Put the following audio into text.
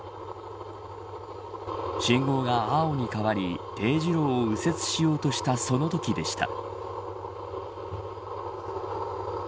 信号が青に変わり、丁字路を右折しようとしたそのときでした。